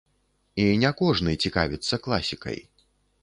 І не кожны цікавіцца класікай.